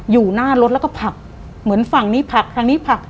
อยู่หน้ารถแล้วก็ผักเหมือนฝั่งนี้ผักทางนี้ผัก